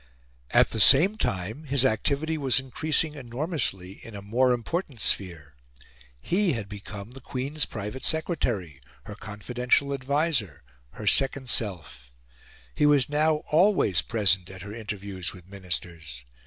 At the same time his activity was increasing enormously in a more important sphere. He had become the Queen's Private Secretary, her confidential adviser, her second self. He was now always present at her interviews with Ministers.